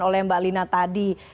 oleh mbak lina tadi